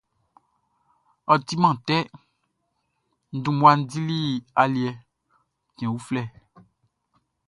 Ɔ timan tɛ, n dun mmua dili aliɛ cɛn uflɛ.